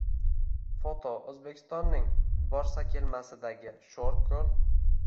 Foto: O‘zbekistonning Borsakelmasidagi sho‘r ko‘l